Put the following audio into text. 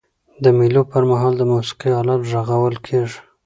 د مېلو پر مهال د موسیقۍ آلات ږغول کيږي.